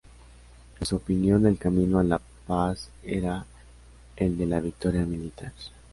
En su opinión, el camino a la paz era el de la victoria militar.